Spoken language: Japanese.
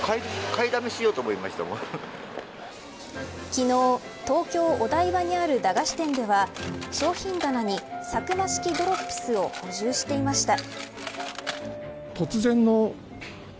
昨日、東京お台場にある駄菓子店では商品棚にサクマ式ドロップスを補充していました。